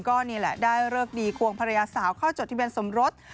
ก็นี่แหละได้เลิกดีควงภรรยาสาวเข้าจดทะเบียนสมรส